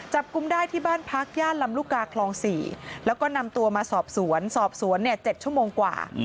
กุมได้ที่บ้านพักย่านลำลูกกาคลอง๔แล้วก็นำตัวมาสอบสวนสอบสวน๗ชั่วโมงกว่า